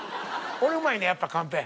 俺うまいなやっぱカンペ。